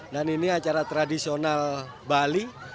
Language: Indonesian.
dan ini acara tradisional bali